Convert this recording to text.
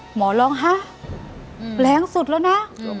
หมอร้องฮะแรงสุดแล้วนะ